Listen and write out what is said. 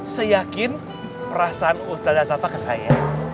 seyakin perasaan ustadz asata ke saya